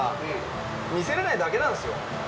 見せられないだけなんですよ。